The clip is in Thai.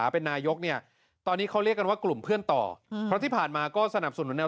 ผมยืนคำเดิมว่าในนามภักษ์เนี่ย